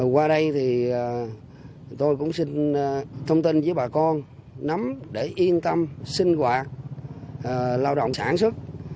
qua đây thì tôi cũng xin thông tin với bà con nắm để yên tâm sinh hoạt lao động sản xuất